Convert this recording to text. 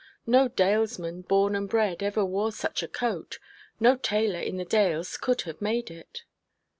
No Dalesman born and bred ever wore such a coat; no tailor in the Dales could have made it.